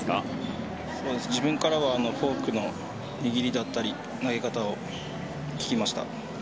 自分からはフォークの握りだったり投げ方を聞きました。